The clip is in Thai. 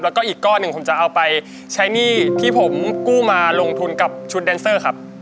แล้วก็อีกก้อนหนึ่งผมจะเอาไปใช้หนี้ที่ผมกู้มาลงทุนกับชุดแดนเซอร์ครับ